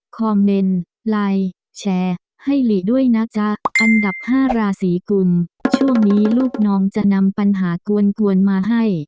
คอมเมนต์ไลน์แชร์ให้หลีด้วยนะจ๊ะอันดับ๕ราศีกุลช่วงนี้ลูกน้องจะนำปัญหากวนกวนมาให้